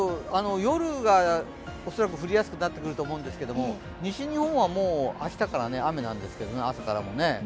夜がおそらく降りやすくなってくると思うんですけれども西日本はもう明日から雨なんですね、朝からね。